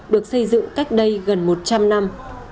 được xây dựng cách đây gần một trăm linh năm